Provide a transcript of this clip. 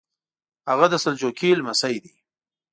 هغه د سلجوقي لمسی دی.